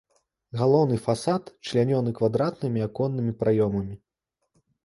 Галоўны фасад члянёны квадратнымі аконнымі праёмамі.